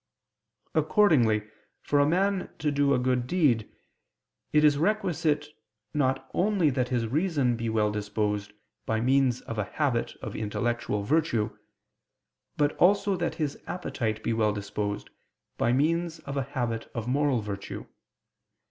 Accordingly for a man to do a good deed, it is requisite not only that his reason be well disposed by means of a habit of intellectual virtue; but also that his appetite be well disposed by means of a habit of moral virtue.